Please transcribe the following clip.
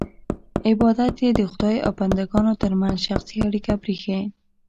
عبادت یې د خدای او بندګانو ترمنځ شخصي اړیکه پرېښی.